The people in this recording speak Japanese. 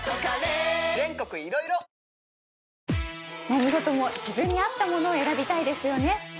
何事も自分に合ったものを選びたいですよね